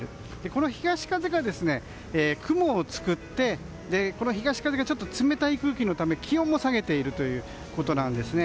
この東風が雲を作ってこの東風が冷たい空気のため気温も下げているということなんですね。